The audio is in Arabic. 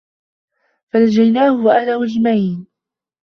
فَنَجَّيناهُ وَأَهلَهُ أَجمَعينَ